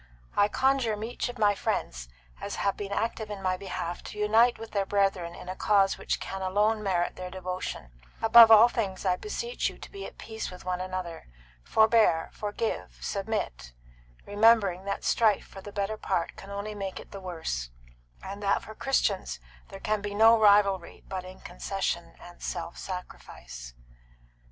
I conjure such of my friends as have been active in my behalf to unite with their brethren in a cause which can alone merit their devotion. Above all things I beseech you to be at peace one with another. Forbear, forgive, submit, remembering that strife for the better part can only make it the worse, and that for Christians there can be no rivalry but in concession and self sacrifice."